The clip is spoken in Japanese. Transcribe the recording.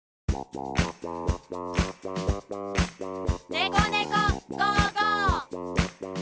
「ねこねこ５５」！